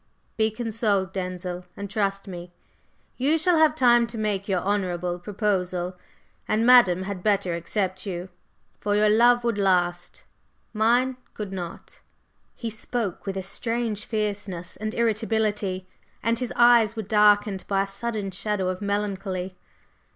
Be consoled, Denzil, and trust me, you shall have time to make your honorable proposal, and Madame had better accept you, for your love would last, mine could not!" He spoke with a strange fierceness and irritability, and his eyes were darkened by a sudden shadow of melancholy.